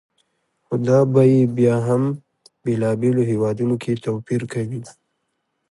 خو دا بیې بیا هم بېلابېلو هېوادونو کې توپیر کوي.